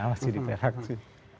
masih di perak sih